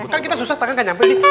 kan kita susah tangan gak nyampe nih